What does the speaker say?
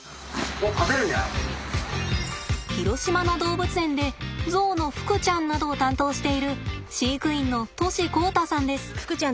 広島の動物園でゾウのふくちゃんなどを担当している飼育員の杜師弘太さんです。